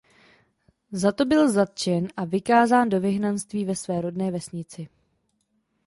Za to byl zatčen a vykázán do vyhnanství ve své rodné vesnici.